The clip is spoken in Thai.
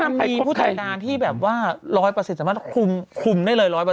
จะมีผู้แต่งงานที่แบบว่า๑๐๐สามารถคุมได้เลย๑๐๐